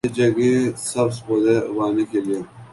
یہ جگہیں سبز پودے اگانے کے لئے